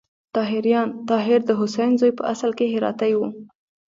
طاهریان: طاهر د حسین زوی په اصل کې هراتی و.